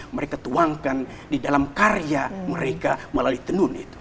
mereka tuangkan di dalam karya mereka melalui tenun itu